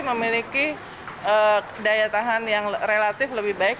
memiliki daya tahan yang relatif lebih baik